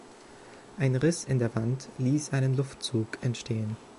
Ein Riss in der Wand ließ einen Luftzug entstehen.